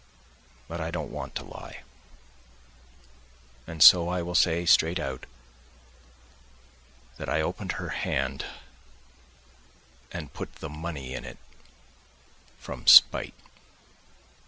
But I don't want to lie, and so I will say straight out that I opened her hand and put the money in it ... from spite.